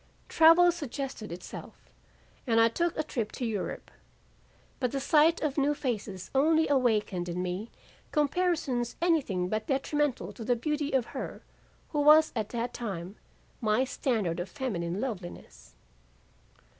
Travel suggested itself, and I took a trip to Europe. But the sight of new faces only awakened in me comparisons anything but detrimental to the beauty of her who was at that time my standard of feminine loveliness.